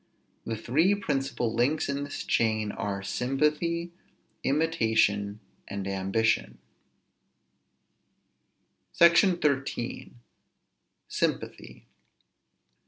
The three principal links in this chain are sympathy, imitation, and ambition. SECTION XIII. SYMPATHY.